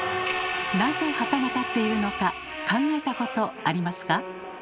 なぜ旗が立っているのか考えたことありますか？